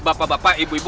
bapak bapak ibu ibu